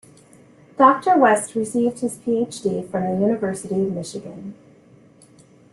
Doctor West received his Ph.D from the University of Michigan.